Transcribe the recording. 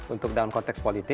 untuk dalam konteks politik